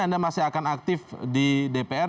anda masih akan aktif di dpr